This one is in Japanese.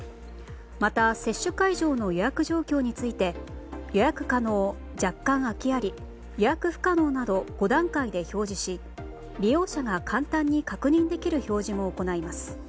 また接種会場の予約状況について予約可能、若干空有り予約不可能など５段階で表示し利用者が簡単に確認できる表示も行います。